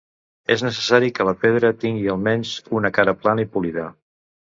És necessari que la pedra tingui almenys una cara plana i polida.